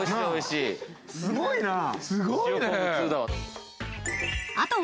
すごいな！